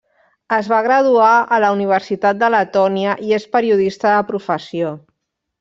Es va graduar a la Universitat de Letònia i és periodista de professió.